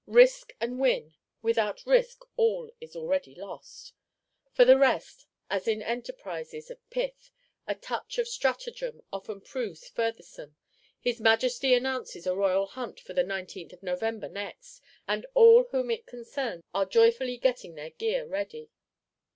Risk and win; without risk all is already lost! For the rest, as in enterprises of pith, a touch of stratagem often proves furthersome, his Majesty announces a Royal Hunt, for the 19th of November next; and all whom it concerns are joyfully getting their gear ready.